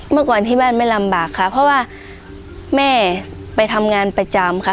เมื่อก่อนที่บ้านไม่ลำบากค่ะเพราะว่าแม่ไปทำงานประจำค่ะ